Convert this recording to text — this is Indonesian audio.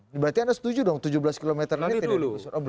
berarti anda setuju dong tujuh belas km ini tidak